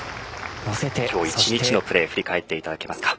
今日一日のプレーを振り返っていただけますか？